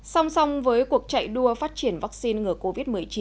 xong xong với cuộc chạy đua phát triển vắc xin ngừa covid một mươi chín